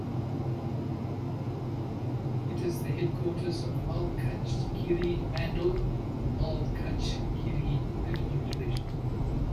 It is the headquarters of Malkajgiri mandal in Malkajgiri revenue division.